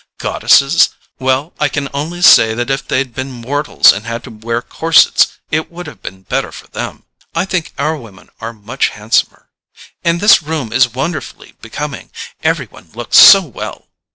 Goddesses? Well, I can only say that if they'd been mortals and had to wear corsets, it would have been better for them. I think our women are much handsomer. And this room is wonderfully becoming—every one looks so well!